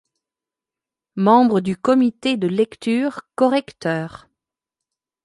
Membre du comité de lecture, correcteur.